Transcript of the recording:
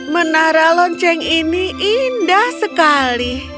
menara lonceng ini indah sekali